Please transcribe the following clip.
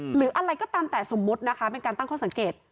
หรืออะไรก็ตามแต่สมมุตินะคะเป็นการตั้งข้อสังเกต